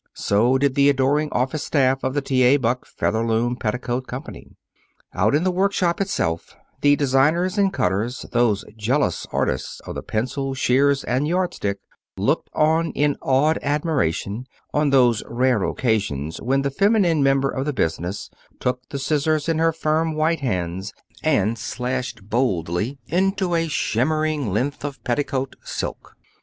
So did the adoring office staff of the T. A. Buck Featherloom Petticoat Company. Out in the workshop itself, the designers and cutters, those jealous artists of the pencil, shears, and yardstick, looked on in awed admiration on those rare occasions when the feminine member of the business took the scissors in her firm white hands and slashed boldly into a shimmering length of petticoat silk.